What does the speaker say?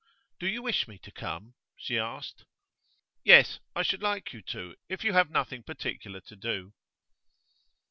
'Do you wish me to come?' she asked. 'Yes, I should like you to, if you have nothing particular to do.